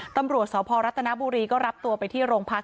ตำรวจสพรัฐนบุรีก็รับตัวไปที่โรงพัก